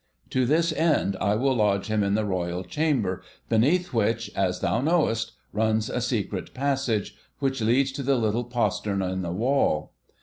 'To this end I will lodge him in the Royal chamber, beneath which, as thou knowest, runs a secret passage, which leads to the little postern in the wall.